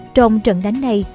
trong trận đánh này